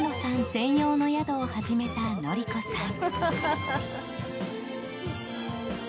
専用の宿を始めた徳子さん。